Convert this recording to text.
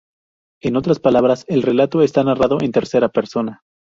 O en otras palabras, el relato está narrado en tercera persona.